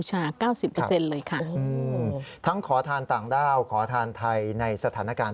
ใช่แล้วเขาก็หลบเรี้ยง